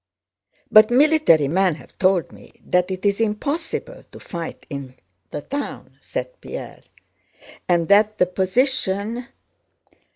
"But military men have told me that it is impossible to fight in the town," said Pierre, "and that the position..."